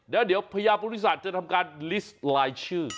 แล้วเดี๋ยวพญาปริศาจจะทำการลิสต์รายชื่อ